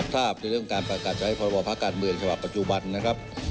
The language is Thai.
ก็รับทราบด้วยการประกาศจะให้พบพระการเมืองภาพปัจจุบันนะครับ